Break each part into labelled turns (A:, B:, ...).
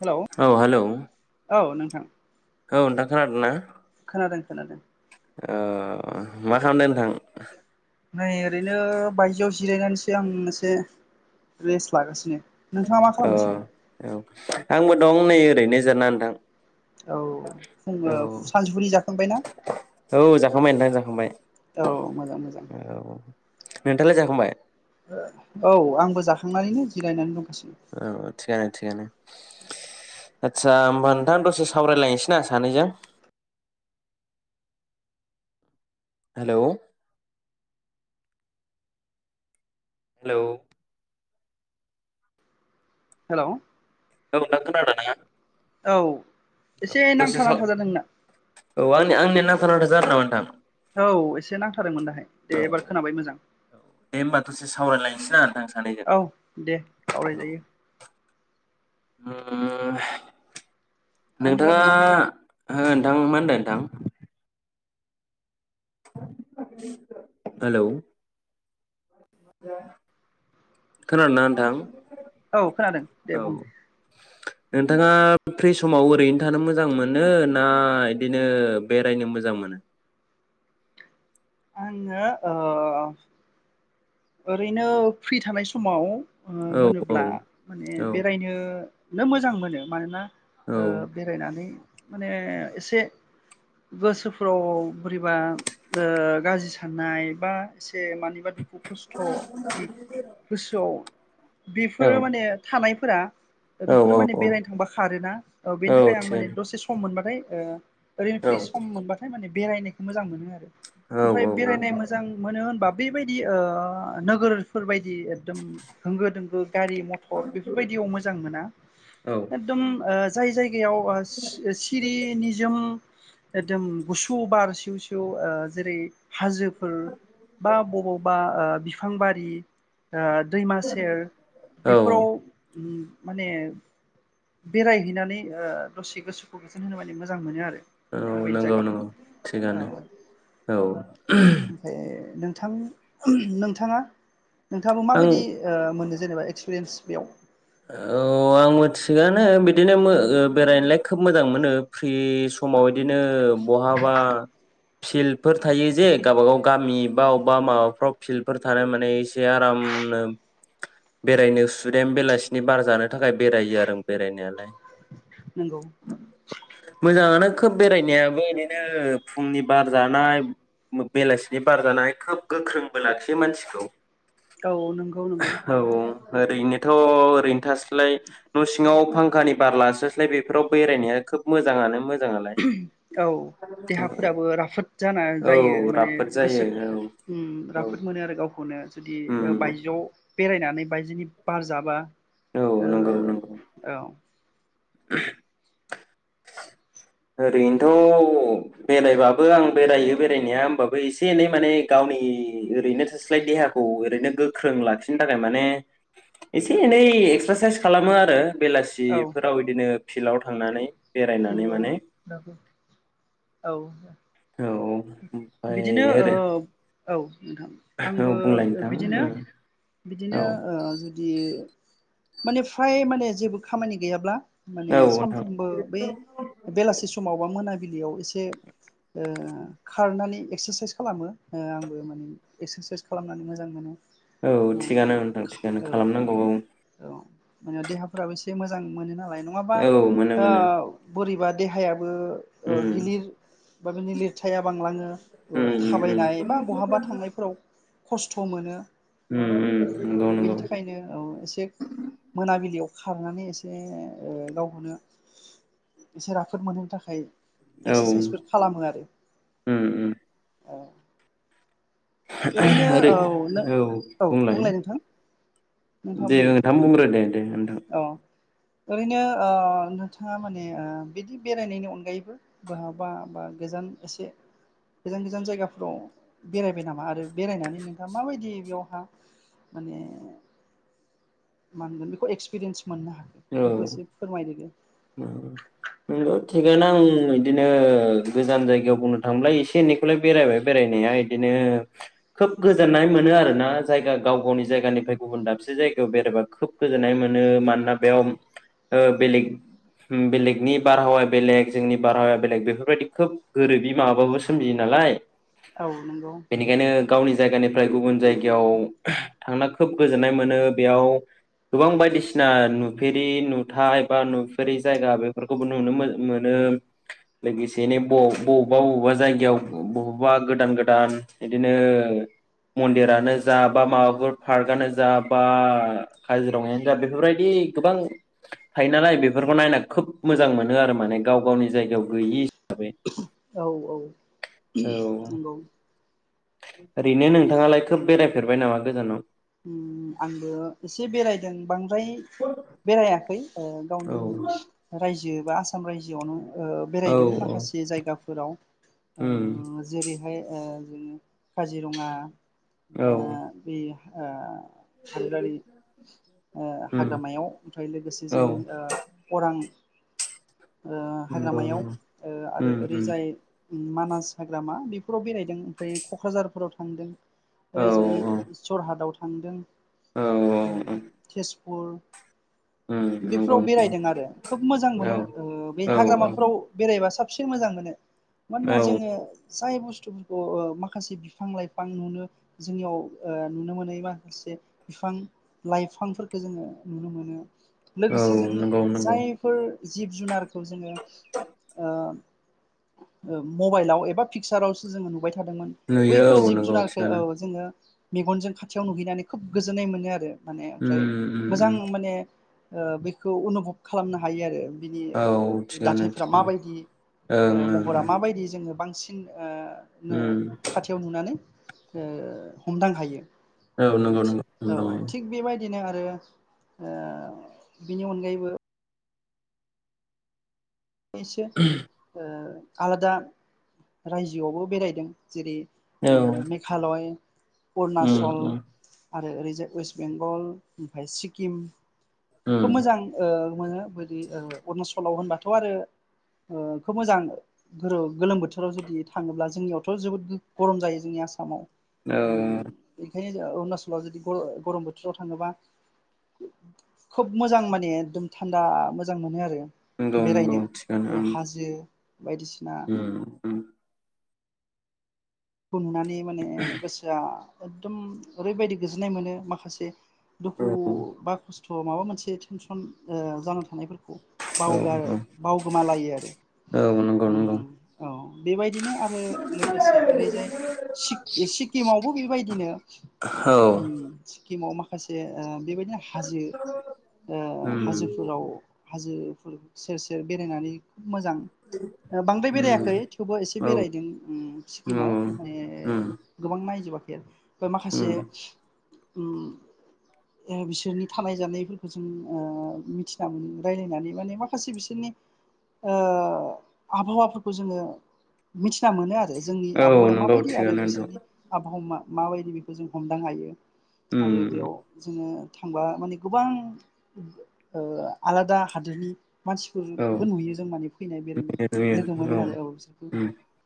A: Hello
B: औ हेल'।
A: [inaudible]
B: औ नोंथां खोनादों ना?
A: खोनादों खोनादों।
B: अ मा खालामदों नोंथां?
A: नै ओरैनो बायजौ जिरायनानैसो आं मोनसे रेस्ट लागासिनो। नोंथाङा मा
B: औ
A: खालामगासिनो
B: औ आंबो दं। नै ओरैनो जिरायना नोंथां।
A: औ फुं
B: औ
A: सानजफुनि जाखांबायनाा
B: औ जाखांबाय नोंथां जाखांबाय
A: औ मोजां मोजां।
B: नोंथांलाय जाखांबाय?
A: औ आंबो जाखांनानैनो जिरायनानै दं।
B: औ थिगानो थिगानो। आदसा होमबा नोंथा दसे सावरायलायनोसै ना सानैजों हेलौ। हेलौ।
A: हेलौ
B: औ खोनादोंना?
A: औ। एसे
B: दसे
A: नांथा
B: साव
A: नांथा जादों नोंना
B: औ आंनि आंनि नांथा नांथा जादों नामा नोंथां।
A: औ एसे नां थादोंमोन दाहाय दे एबार खोनाबाय मोजां
B: दे होमबा दसे सावरायलायनोसै ना नोंथां सानैजों
A: औ दे
B: औ उम
A: सावरायजायो।
B: [unintelligible] नोंथाङा ओहो
A: मानि बागै
B: नोंथां मा होनदों नोंथां। हेलौ। खोनादों ना नोंथां।
A: औ खोनादों दे
B: औ
A: बुं ।
B: नोंथाङा फ्रि समाव ओरैनो थानो मोजां मोनो ना इदिनो बेरायनो मोजां मोनो।
A: आंङो ओ ओरैनो फ्रि थानाय समाव ओ
B: औ
A: होनोब्ला माने
B: औ
A: बेरायनो नों मोजां मोनो मानोना
B: औ
A: ओ बेरायनानै माने एसे गोसोफ्राव बोरैबा ओ गाज्रि साननाय बा एसे मानि खस्थ' जुदि गोसोआव
B: औ
A: बेफोरो माने थानाय फोरा ओ बेफोरो
B: औ
A: माने बेरायनो थांबा खारोना ओ बेनि थाखाय आं
B: औ औ थिगानो औ
A: माने दसे सम मोनबाथाय [unintelligible] ओरैनो फ्रि सम मोनबाथाय माने बेरायनायखौ मोजां मोनो आरो।
B: औ
A: ओमफ्राय
B: औ
A: बेरायनाय मोजां मोनो होनब [unintelligible] दि ओ नोगोरफोर बायदि एकदम होंगो दोंगो गारि मथर बेफोरबायदियाव मोजां मोना
B: औ
A: एकदम ओ जाय जाय जायगायाव ओ सिरि निजोम एकदम गुसु बार सिउ सिउ ओ जेरै हाजोफोर बा बबाव बा ओ बिफांबारि ओ दैमा सेर
B: औ
A: बेफोराव उम माने बेरायहैनानै ओ दसे गोसोखौ गोजोन होनो माने मोजां मोनो आरो ।
B: औ नंगौ नंगौ थिगानो
A: औ
B: औ [unintelligible]
A: ओमफ्राय नोंथां [unintelligible] नोंथाङा नोंथाङाबो
B: आं
A: माबायदि ओ मोनो जेनेबा एक्सपिरियेन्स? बेयाव
B: औ आं मिथिगानो बिदिनो मो ओ बेरायनोलाय खोब मोजां मोनो फ्रि समाव बिदिनो बहाबा फिल्डफोर थायो जे गावबा गाव गामि बा अब्बा माबाफ्राव फिल्डफोर थानाय माने एसे आरामनो बेरायनो सुदेम बेलासि नि बार जानो थाखाय बेरायो आरो बेरायनायालाय
A: नंगौ
B: मोजांआनो । खोब बेरायनायाबो बिदिनो फुंनि बार जानाय बेलासिनि बार जानाय खोब गोख्रोंबो लाखियो मानसिखौ ।
A: औ नंगौ नंगौ ।
B: ओरैनोथ' ओरैनो थाल्साय न' सिङाव फांखानि बार लास्लायस्लाय बेफोराव बेरायनाया खोब मोजांङानो मोन
A: [unintelligible] औ देहाफोराबो राफोद जाना जायो
B: औ
A: माने
B: राफोद जायो
A: गोसो
B: औ औ
A: राफोद मोनो आरो गावखौनो जुदि
B: उम
A: बायजोआव बेरायनानै बायदिनि बार जाबा
B: औ
A: ओ
B: नंगौ नंगौ
A: औ ।
B: [unintelligible] ओरैनोथ' बेरायबाबो आं बेरायो बेरायनाया होमबाबो एसे एनै माने गावनि ओरैनो थाल्साय देहाखौ ओरैनो गोख्रों लाखिनो थाखाय माने एसे एनै एक्सारसाइस खालामो आरो
A: औ
B: बेलासिफोराव बिदिनो फिल्डआव थांनानै बेरायनानै माने
A: [unintelligible] औ
B: औ ओमफ्राय
A: बिदिनो ओ
B: ओरै
A: औ । नोंथां
B: औ
A: आंबो
B: बुंलाय नोंथां
A: बिदिनो
B: उम,
A: बिदिनो
B: औ
A: ओ जुदि माने फ्राय माने जेबो खामानि गैयाब्ला माने
B: औ नोंथां
A: सानफ्रामबो बै बेलासि समाव बा मोना बिलियाव ऐसे [unintelligible] ओ खारनानै एक्सारसाइस खालामो आंबो माने एक्सारसाइस खालामनानै मोजां मोनो
B: औ थिगानो नोंथां थिगानो
A: औ
B: खालामनांगौ औ
A: औ मान देहाफ्राबो एसे मोजां मोजां मोनो नालाय नंङाबा
B: औ मोनो मोनो
A: बोरैबा देहाया ओ
B: उम
A: गिलिर [unintelligible] फिथायाइया बांलाङो
B: उम उम
A: थाबायनाय बा बहाबा थांनायफोराव खस्थ मोनो
B: उम उम नंगौ
A: ओम
B: नंगौ
A: बेनि थाखायनो औ एसे मोनाबिलियाव खारनानै एसे ओह गावखौनो एसे राफोद मोनहोनो थाखाय एक्सारसाइसफोर खालामो आरो
B: ओम ओम
A: औ ओरैनो
B: ओरै
A: नों
B: औ बुंलाय
A: नोंथाङा
B: दे
A: बुंदो
B: नोंथां बुंग्रो दे दे नोंथां
A: औ ओरैनो ओह नोंथाङा माने बिदि बेरायनायनि अनगायैबो बहाबा बा गोजान एसे गोजान गोजान जायगाफोराव बेरायबाय नामा आरो बेरायनानै नोंथाङा माबायदि बेयावहा माने मा होनगोन बेखौ एक्स पिरिनस मोननो हागोन
B: औ
A: बेखौ एसे फोरमायदो दे
B: नंगौ थिगानो आं इदिनो गोजान जायगायाव बुंनो थांओब्ला एसे एनैखौलाय बेरायबाय बेरायनाया इदिनो खोब गोजोननाय मोनो आरोना जायगा गाव गावनि जायगानिफ्राय गुबुन दाबसे जायगायाव बेरायबा खोब गोजोननाय मोनो मानोना बेयाव ओह बेलेग बेलेगनि बारहावाया बेलेग जोंनि बारहावाया बेलेग बेफोरबायदि खोब गोरोबि माबाबाबो सोमजियो नालाय
A: औ नंगौ
B: बेनिखायनो गावनि जायगानिफ्राय गुबुन जायगायाव थांना खोब गोजोननाय मोनो बेयाव गोबां बायदिसिना नु नुफेरि नुथाय बा नुफेरि जायगा बेफोरखौबो नुनो मोन मोनो लोगोसेनो बव बवबा बवबा जायगायाव बबावबा गोदान गोदान बिदिनो मन्दिरानो जा बा माबाफोर फार्कआनो जा बा काजिरङायानो जा बेफोरबायदि गोबां थायो नालाय बेफोरखौ नायना खोब मोजां मोनो आरो माने गाव गावनि जायगायाव गैयि हिसाबै
A: औ औ
B: औ
A: नंगौ
B: ओरैनो नोंथांङालाय खोब बेरायफेरबाय नामा गोजानाव
A: आंबो एसे बेरायदों बांद्राय बेरायाखै ओह
B: औ
A: गावनि रायजो दा आसाम रायजोआवनो ओह बेरायदों
B: औ
A: माखासे जायगाफोराव
B: उम
A: ओम जेरैहाय ओह बिदिनो काजिरंङा
B: औ
A: ओह हादोरारि ओह
B: उम
A: हाग्रामायाव ओमफ्राय लोगोसे
B: औ
A: जों ओह अरां ओह
B: नंगौ
A: हाग्रामायाव ओह आरो
B: उम उम
A: ओरैजाय मानास हाग्रामा बेफोराव बेरायदों ओमफ्राय क'क्राझारफोराव थांदों।
B: औ
A: ओरैजाय जरहाटाव थांदों।
B: औ
A: ओम
B: औ
A: [unintelligible]
B: उम नंगौ
A: बेफोराव
B: नंगौ
A: बेरायदों आरो खोब मोजां
B: औ
A: मोनो ओ बे
B: औ
A: हाग्रामाफोराव बेरायबा [unintelligible] बेसे मोजां मोनो। मानोना
B: औ
A: जोङो जाय बुस्थुफोरखौ माखासे बिफां -लाइफां नुनो जोंनियाव नुनो मोनै माखासे बिफां -लाइफांफोरखौ जोङो नुनो मोनो।
B: औ
A: लोगोसे जों
B: नंगौ नंगौ
A: जायफोर जिब जुनारखौ जोङो ओ। मबाइलाव एबा पिकसारावसो जोङो नुबाय थादोंमोन
B: नुयो
A: बैफोर
B: औ
A: जिब
B: नंगौ
A: जुनारखौ
B: थिगानो
A: औ जोङो मेगनजों खाथियाव नुहैनानै खोब गोजोननाय मोनो आरो। माने
B: उम
A: ओमफ्राय
B: उम
A: मोजां
B: उम
A: माने ओ बेखौ अनुभब खालामनो हायो आरो। बिनि
B: औ थिगानो
A: दाथायफ्रा
B: थिगानो
A: माबायदि
B: ओं
A: महरा माबायदि जोङो बांसिन ओ।
B: ओं
A: [unintelligible] खाथियाव नुनानै ओ। हमदां हायो।
B: औ नंगौ नोंगौ हमदां
A: औ
B: हायो।
A: [unintelligible] आरो ओ बिनि अनगायैबो एसे ओ आलादा रायजोआवबो बेरायदों जेरै ओ
B: औ
A: मेघालय,
B: उम
A: अरुनाचल
B: उम
A: आरो ओरैजाय वेस्ट बेंगल ओमफ्राय सिकिम
B: उम
A: खोब मोजां ओ बेदि अरुणचलाव होनबा थ' आरो ओ खोब मोजां गो -गोलोम बोथोराव जुदि थाङोब्ला जोंनियावथ' जोबोद गरम जायो जोंनि आसामाव। उम बेखायनो
B: [inaudible]
A: अरुणाचलाव जुदि ग गरम बोथोराव थाङोबा खोब मोजां माने एखदम थान्दा
B: नंगौ नंगौ
A: बेरायनो
B: थिगानो
A: ओ हाजो बायदिसिना
B: ओं उम उम
A: खौ नुनानै माने गोसोआ एकदम ओरैबायदि गोजोननाय मोनो माखासे
B: औ
A: दुखु बा खस्थ ओ माबा मोनसे टेनसन ओ जाना थानायफोर बावगारो
B: औ औ
A: बावगोमालायो आरो
B: औ नंगौ नंगौ
A: औ बेेबाय बिदिनो आरो लोगोसे ओरैजाय सिक सिक्किमावबो बेबायदिनो
B: औ
A: स्किमाव माखासे बेबायदिनो हाजो ओ
B: उम
A: हाजोफोराव हाजोफोर सेर सेर बेरायनानै मोजां बांद्राय
B: उम
A: बेरायाखै थेवबो एसे
B: औ
A: बेरायदों स्किमाव माने
B: उम
A: गोबां [inaudible] बा माखासे
B: उम
A: [inaudible] बिसोरनि थानाय जानायफोर जों ओ मिथिना मोनो रायलायनानै माने माखासे बिसोरनि आबहावाफोरखौ जोंङो मिथिना मोनो आरो जों
B: औ
A: आबहावाया
B: नंगौ
A: माबायदि आरो
B: थिगानो नोंथां
A: बिसोरनि आबहावा मा माबायदि बेखौ जों हमदां हायो आरो
B: उम
A: बेयाव जोंङो थांबा माने गोबां ओ आलादा हादोरनि
B: औ
A: मानसिफोरबो नुयो जों माने फैनाय बेरायनाय लोगो मोनो आरो औ बिसोरखौ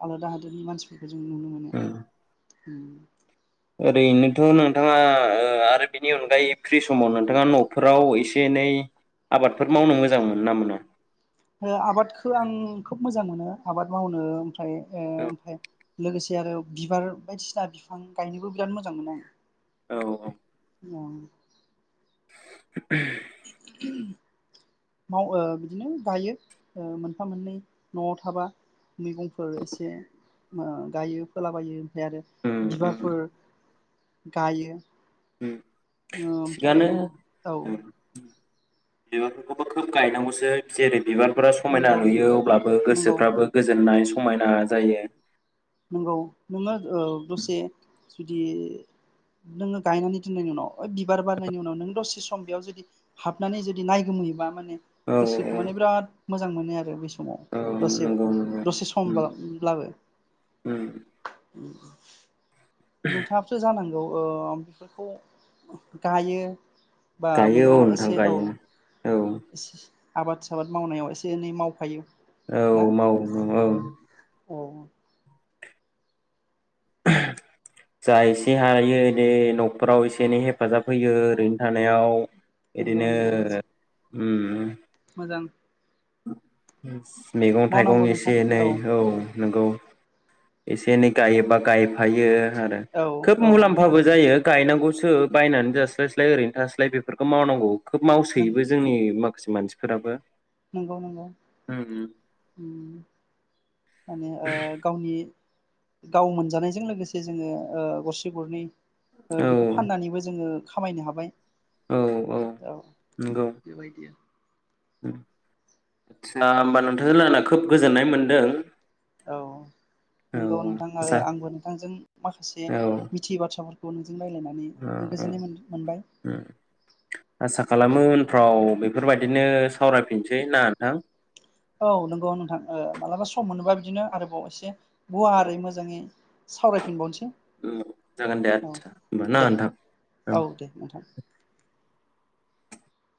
A: आलादा [unintelligible] जों नुनो मोनो [inaudible]
B: ओरैनोथ नोंथांङा आरो बिनि अनगायै फ्रि समाव नोंथांङा नफोराव एसे एनै आबादफोर मावनो मोजां मोनो ना मोना
A: आबादखौ आं खोब मोजां मोनो आबाद मावनो
B: औ
A: [inaudible] लोगोसे आरो बिबार बायदिसिना बिफां गायनोबो बिराद मोजां मोनो आं
B: औ-औ
A: औ
B: [inaudible]
A: माव ओ बिदिनो गायो मोनफा मोननै नआव थाबा मैगंफोर एसे ओ गायो फोलाबायो ओमफाय आरो
B: उम उम
A: बिबारफोर गायो।
B: उम
A: ओमफ्राय
B: थिगानो
A: औ
B: बिबारफोरखौबो खोब गायनांगौसो जेरै बिबारफोरा समायना
A: नंगौ नंगौ
B: नुयो अब्लाबो
A: नंगौ
B: गोसोफ्राबो गोजोननाय स समायना जायो।
A: नोंगौ नोङो ओ दसे जुदि नोङो गायनानै दिननि उनाव ओ बिबार बारनायनि उनाव नों दसे सम बेयाव जुदि हाबनानै जुदि नायगोमोयोबा माने
B: औ औ
A: गोसोखौ माने बिराद मोजां मोनो आरो बे समाव
B: औ
A: दसे
B: नंगौ नंगौ
A: दसे
B: उम
A: समब्ला-ब्लाबो।
B: उम
A: [inaudible] नोंथाङाबोथो जानांगौ ओ बेफोरखौ गायो। बा
B: गायो औ
A: मैगं
B: नोंथां
A: ओसे औ
B: गायो औ
A: सेसे आबाद आबाद मावनायाव एसे एनै मावफायो ना
B: औ मावो ओं।
A: औ
B: ओहो जा एसे हायोे दे न'खराव एसे एनै हेफाजाब होयो ओरैनो थानायाव।
A: नंगौ
B: इदिनो
A: नंगौ
B: उम।
A: मोजां।
B: [unintelligible] मैगं-थाइगं
A: मावनांगौ
B: एसे
A: नोंथां
B: एनै औ नंगौ। एसे एनै गायोबा गायफायो आरो
A: औ
B: खोब
A: औ
B: मुलाम्फाबो जायो गायनांगौसो बायनानै जास्लायस्लाय ओरैनो थास्लाय बेफोरखौ मावनांगौ। खोब
A: नों
B: मावसोयोबो जोंनि माख खासे मानसिफोराबो।
A: नंगौ नंगौ।
B: उम
A: माने ओ गावनि गाव मोनजानायजों लोगोसे जोङो ओ गरसे गरनै ओ
B: औ
A: बेखौ फाननानैबो जोङो खामायनो हाबाय। औ
B: नंगौ
A: बेबायदि।
B: [unintelligible] होमबा नोंथांजों रायलायना खोब गोजोननाय मोनदों।
A: औ
B: औ
A: नंगौ नोंथां
B: आसा
A: आरो आंबो नोंथांजों माखासे
B: औ
A: मिथियै बाथ्राफोरख बुन जों रायलायनानै
B: औ
A: गोजोननाय मोन-मोनबाय।
B: उम आसा खालामो उनफ्राव बेफोरबायदिनो सावरायफिनसै ना नोंथां?
A: औ नंगौ नोंथां ओ मालाबा सम मोनोबा बिदिनो आरोबाव एसे
B: औ
A: गुवारै मोजाङै सावरायफिनबावनोस
B: उम जागोन दे आदसा होमबा ना
A: दे
B: नोंथां औ
A: दे नोंथां